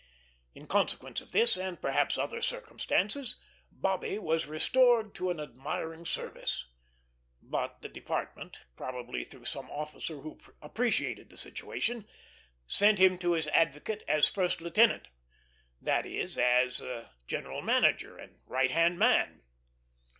In consequence of this, and perhaps other circumstances, Bobby was restored to an admiring service; but the Department, probably through some officer who appreciated the situation, sent him to his advocate as first lieutenant that is, as general manager and right hand man.